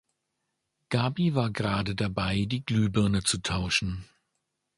Gabi war gerade dabei die Glühbirne zu tauschen.